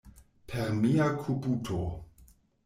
Per mia kubuto.